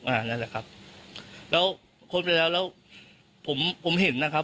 นั่นแหละครับแล้วค้นไปแล้วแล้วผมผมเห็นนะครับ